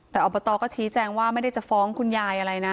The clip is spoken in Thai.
แต่อบตก็ชี้แจงว่าไม่ได้จะฟ้องคุณยายอะไรนะ